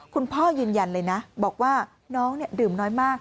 ยืนยันเลยนะบอกว่าน้องดื่มน้อยมาก